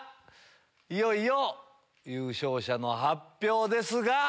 いよいよ優勝者の発表ですが。